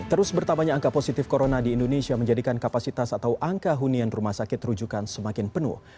terus bertambahnya angka positif corona di indonesia menjadikan kapasitas atau angka hunian rumah sakit rujukan semakin penuh